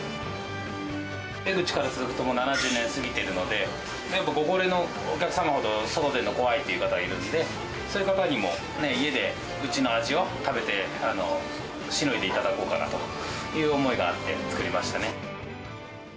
江ぐちからするともう７０年過ぎてるので、やっぱご高齢のお客様ほど外に出るの怖いという方もいるんで、そういう方にも家で、うちの味を食べて、しのいでいただこうかなという思いがあって作りましたね。